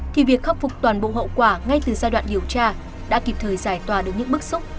thì việc khắc phục toàn bộ hậu quả ngay từ giai đoạn điều tra đã kịp thời giải tỏa được những bức xúc